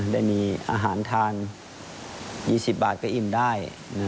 ได้มีอาหารทาน๒๐บาทก็อิ่มได้